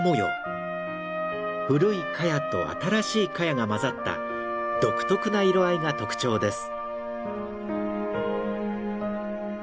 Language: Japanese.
古いカヤと新しいカヤが混ざった独特な色合いが特徴です。